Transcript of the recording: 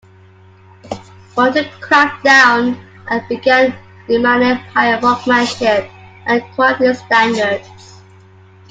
Martin cracked down and began demanding higher workmanship and quality standards.